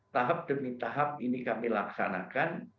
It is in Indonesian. tahap demi tahap ini kami laksanakan